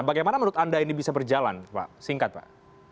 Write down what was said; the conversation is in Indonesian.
bagaimana menurut anda ini bisa berjalan pak singkat pak